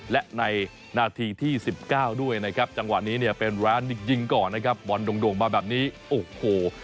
และในนาทีที่๑๙ด้วยนะครับจังหวะนี้เนี่ยเป็นร้านยิงก่อนนะครับบอลโด่งมาแบบนี้โอ้โห